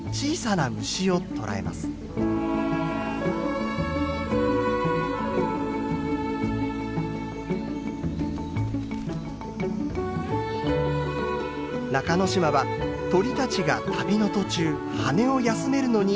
中之島は鳥たちが旅の途中羽を休めるのに格好の場所です。